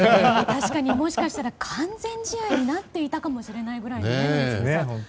確かに、もしかしたら完全試合になっていたかもしれないぐらいのね、宜嗣さん。